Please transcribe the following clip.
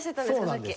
さっき。